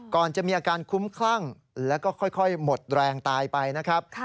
ก่อนจะมีอาการคุ้มคลั่งแล้วก็ค่อยหมดแรงตายไปนะครับ